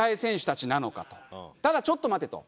ただちょっと待てと。